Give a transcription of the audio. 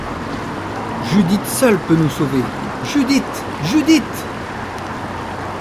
Judith seule peut nous sauver, Judith, Judith !